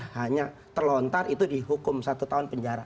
hanya terlontar itu dihukum satu tahun penjara